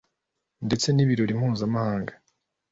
ndetse nibirori mpuzamahanga